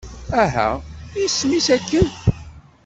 Aha, isem-is akken?